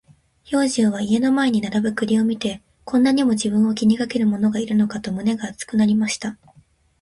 兵十は家の前に並ぶ栗を見て、こんなにも自分を気にかける者がいるのかと胸が熱くなりました。